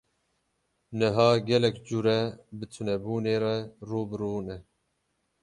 Niha gelek cure bi tunebûnê ve rû bi rû ne.